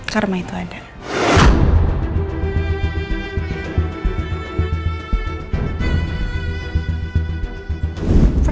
karma itu ada